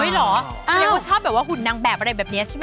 เฮ้ยเหรอแล้วเขาชอบหุ่นนางแบบอะไรแบบนี้ใช่ไหม